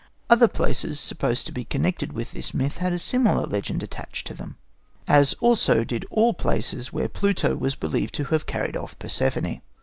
Other places supposed to be connected with this myth had a similar legend attached to them, as also did all places where Pluto was thought to have carried off Persephone.